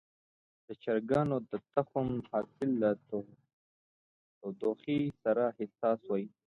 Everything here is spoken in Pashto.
د چرګانو د تخم حاصل له تودوخې سره حساس وي.